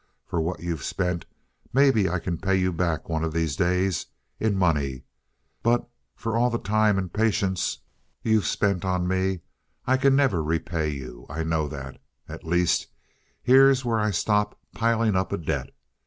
For what you've spent maybe I can pay you back one of these days, in money. But for all the time and patience you've spent on me I can never repay you. I know that. At least, here's where I stop piling up a debt.